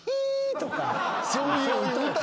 そういう歌。